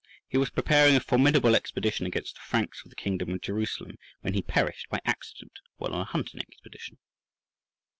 He was preparing a formidable expedition against the Franks of the kingdom of Jerusalem, when he perished by accident while on a hunting expedition.